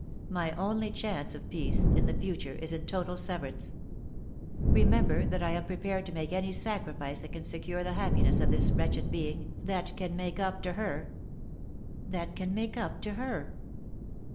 My only chance of peace iu the future is in total severance. Kemember that I am prepared to make any sacrifice that can secure the happiness of this wretched being, that can make up to hfci "" That can make up to her